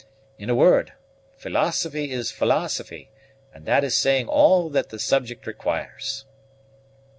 In a word, philosophy is philosophy, and that is saying all that the subject requires."